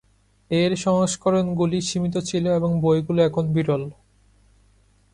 এর সংস্করণগুলি সীমিত ছিল এবং বইগুলি এখন বিরল।